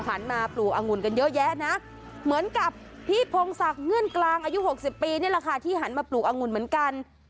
หันมาปลูกองุ่นกันเยอะแยะนะเหมือนกับพี่พงศักดิ์เงื่อนกลางอายุ๖๐ปีนี่แหละค่ะที่หันมาปลูกอังุ่นเหมือนกัน